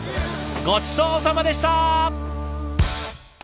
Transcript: ごちそうさまでした！